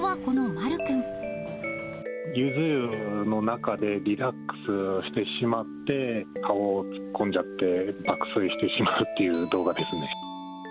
ゆず湯の中でリラックスしてしまって、顔を突っ込んじゃって、爆睡してしまうっていう動画ですね。